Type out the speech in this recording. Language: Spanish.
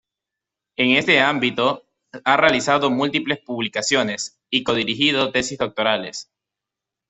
En este ámbito ha realizado múltiples publicaciones y codirigido tesis doctorales.